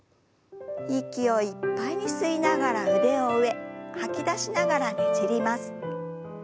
息をいっぱいに吸いながら腕を上吐き出しながらねじります。